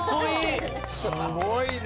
すごいね！